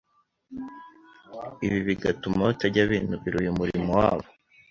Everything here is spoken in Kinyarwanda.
ibi bigatuma batajya binubira uyu murimo wabo.